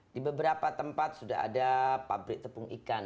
di beberapa tempat sudah ada pabrik tepung ikan